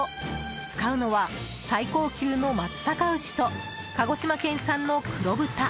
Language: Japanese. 使うのは最高級の松阪牛と鹿児島県産の黒豚。